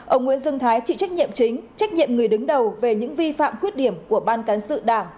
ông nguyễn dương thái chịu trách nhiệm chính trách nhiệm người đứng đầu về những vi phạm khuyết điểm của ban cán sự đảng